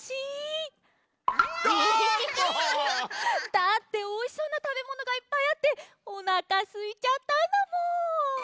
だっておいしそうなたべものがいっぱいあっておなかすいちゃったんだもん。